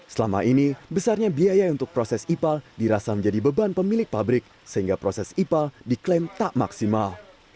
selama ini besarnya biaya untuk proses ipal dirasa menjadi beban pemilik pabrik sehingga proses ipal diklaim tak maksimal